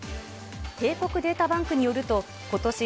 帝国データバンクによると、ことし、